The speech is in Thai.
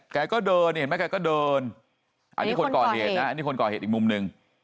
แกก็เดินเห็นไหมแกก็เดินอันนี้คนก่อเหตุนะอันนี้คนก่อเหตุอีกมุมหนึ่ง